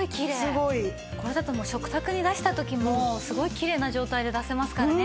すごい。これだと食卓に出した時もすごいきれいな状態で出せますからね。